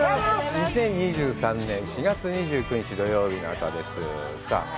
２０２３年４月２９日土曜日の朝です。